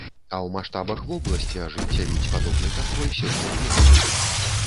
А ў маштабах вобласці ажыццявіць падобны кантроль сёння нельга.